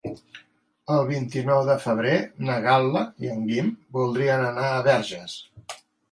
El vint-i-nou de febrer na Gal·la i en Guim voldrien anar a Verges.